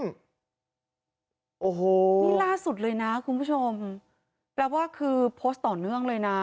โอ้โหนี่ล่าสุดเลยนะคุณผู้ชมแปลว่าคือโพสต์ต่อเนื่องเลยนะ